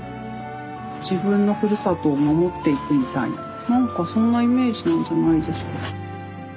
自分のふるさとを守っていくみたいなそんなイメージなんじゃないですか。